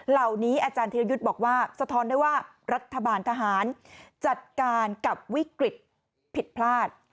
เหล่านี้อาจารย์ธิรยุทธ์บอกว่าสะท้อนได้ว่ารัฐบาลทหารจัดการกับวิกฤตผิดพลาด